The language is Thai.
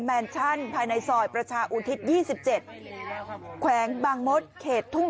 แมนชั่นภายในซอยประชาอุทิศยี่สิบเจ็ดแขวงบางมศเขตทุ่ง